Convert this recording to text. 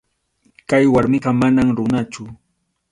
Kay warmiqa manam runachu.